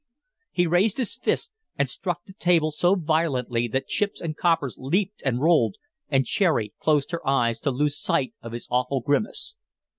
He raised his fist and struck the table so violently that chips and coppers leaped and rolled, and Cherry closed her eyes to lose sight of his awful grimace.